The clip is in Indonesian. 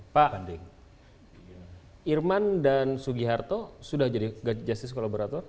pak irman dan sugiharto sudah jadi just sico laborator